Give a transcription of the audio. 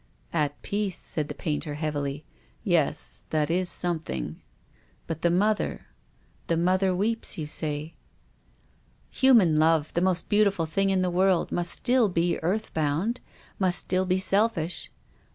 "At peace," said the painter heavily. "Yes, that is something. But the mother — the mother weeps, you say." " Human love, the most beautiful thing in the world must still be earth bound, must still be selfish."